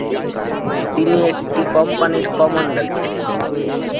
তিনি একটি কোম্পানির কমান্ডার ছিলেন।